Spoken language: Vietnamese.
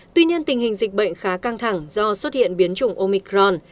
tuy nhiên tình hình dịch bệnh khá căng thẳng do xuất hiện biến chủng omicron